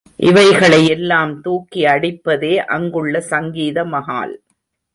இவைகளை எல்லாம் தூக்கி அடிப்பதே அங்குள்ள சங்கீத மகால்.